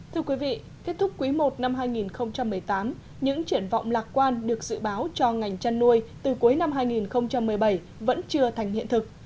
thưa quý vị kết thúc quý i năm hai nghìn một mươi tám những triển vọng lạc quan được dự báo cho ngành chăn nuôi từ cuối năm hai nghìn một mươi bảy vẫn chưa thành hiện thực